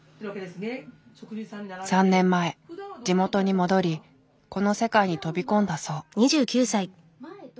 ３年前地元に戻りこの世界に飛び込んだそう。